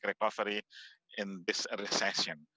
karena dalam perangkat sosial